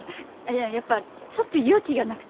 やっぱちょっと勇気がなくて。